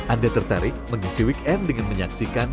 anda tertarik mengisi weekend dengan menyaksikan